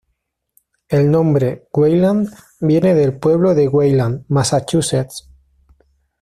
El nombre "Wayland" viene del pueblo de Wayland, Massachusetts.